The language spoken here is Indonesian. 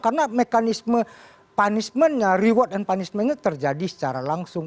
karena mekanisme punishmentnya reward and punishmentnya terjadi secara langsung